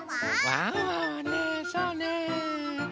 ワンワンはねそうねえ